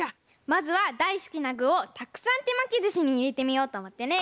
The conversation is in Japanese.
まずはだいすきなぐをたくさんてまきずしにいれてみようとおもってね！